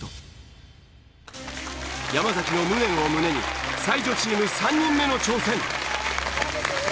山崎の無念を胸に才女チーム３人目の挑戦。